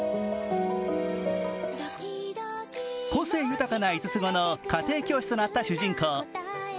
個性豊かな五つ子の家庭教師となった主人公。